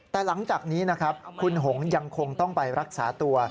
แต่หลังจากนี้นะครับคุณหงยังคงต้องไปรักษาตัว